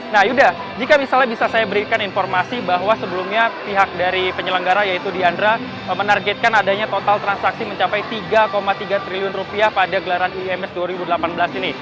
nah yuda jika misalnya bisa saya berikan informasi bahwa sebelumnya pihak dari penyelenggara yaitu diandra menargetkan adanya total transaksi mencapai tiga tiga triliun rupiah pada gelaran iims dua ribu delapan belas ini